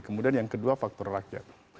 kemudian yang kedua faktor rakyat